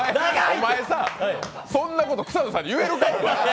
お前さ、そんなこと草野さんに言えるか？